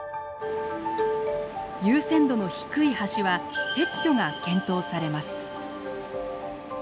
優先度の低い橋は撤去が検討されます。